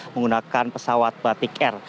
menggunakan pesawat batik air